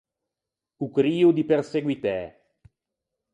O crio di perseguitæ.